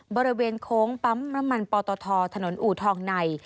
บริเวณโค้งปั๊มน้ำมันปตทถนนอูทองใน